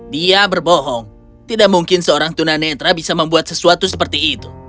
dia berbohong tidak mungkin seorang tunanetra bisa membuat sesuatu seperti itu